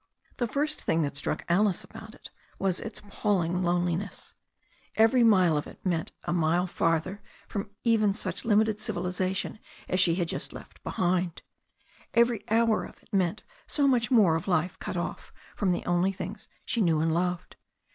The first thing that struck Alice about it all was its ap palling isolation. Every mile of it meant a mile farther from even such limited civilization as she had just left be hind. Every hour of it meant so much more of life cut off from the only things she knew and loved.